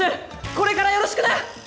これからよろしくな！！」。